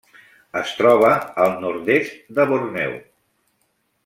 Es troba al nord-est de Borneo.